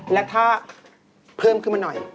และถ้าเพิ่มขึ้นมาหน่อย